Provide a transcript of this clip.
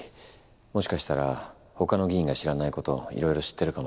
もしかしたら他の議員が知らないこといろいろ知ってるかも。